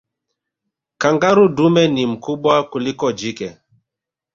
kangaroo dume ni mkubwa kuliko jike